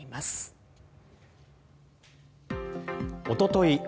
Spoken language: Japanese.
おととい